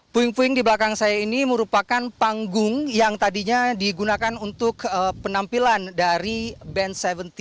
puing puing di belakang saya ini merupakan panggung yang tadinya digunakan untuk penampilan dari band tujuh belas